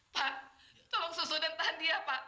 pak tolong susu dan tahan dia pak